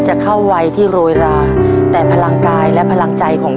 ทับผลไม้เยอะเห็นยายบ่นบอกว่าเป็นยังไงครับ